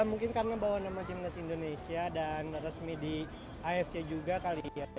mungkin karena bawa nama timnas indonesia dan resmi di afc juga kali ya